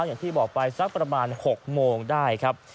อย่างที่บอกไปสักประมาณ๖โมงได้ครับ